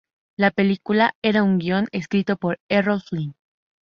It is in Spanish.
La película era un guión escrito por Errol Flynn.